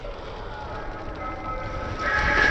چي نه توره سي بیا پورته چي نه بوی وي د باروتو ,